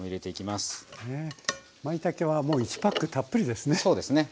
まいたけはもう１パックたっぷりですね。